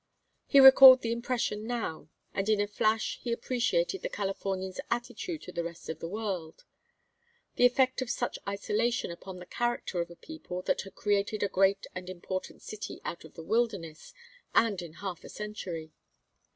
He recalled the impression now, and in a flash he appreciated the Californian's attitude to the rest of the world, the effect of such isolation upon the character of a people that had created a great and important city out of the wilderness, and in half a century.